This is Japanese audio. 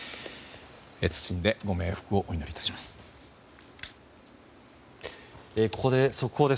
謹んでご冥福をお祈りいたします。